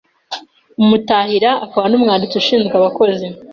Umuta hira akaba n’umwanditsi: ushinzwe abakozi;